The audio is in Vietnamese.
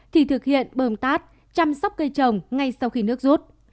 thì thực hiện bơm tát chăm sóc cây trồng ngay sau khi nước rút